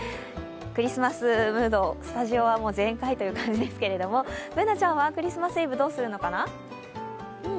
クリスマスムード、スタジオは全開という感じですけれどＢｏｏｎａちゃんはクリスマスイブどうするのかな？